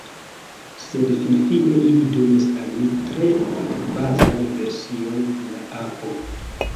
Sed finfine ili donis al mi tre bazan version de la apo.